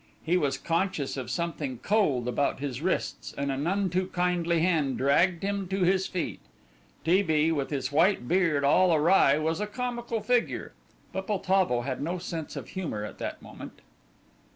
He was conscious of something cold about his wrists, and a none too kindly hand dragged him to his feet. T. B. with his white beard all awry was a comical figure, but Poltavo had no sense of humour at that moment.